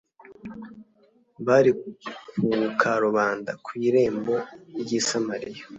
bari ku karubanda ku irembo ry’i Samariya